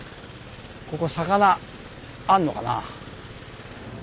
ここ魚あんのかな？